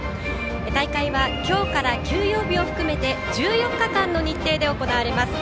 大会は今日から休養日を含めて１４日間の日程で行われます。